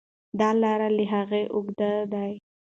دا لار له هغې اوږده ده.